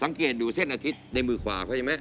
สังเกตดูเส้นอาทิตย์ในมือขวาเขาใช่ไหม